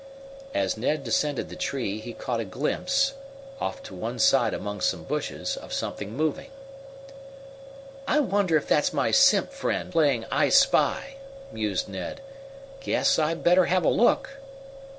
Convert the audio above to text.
As Ned descended the tree he caught a glimpse, off to one side among some bushes, of something moving. "I wonder if that's my Simp friend, playing I spy?" mused Ned. "Guess I'd better have a look."